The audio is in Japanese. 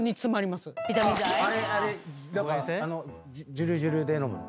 じゅるじゅるで飲むの？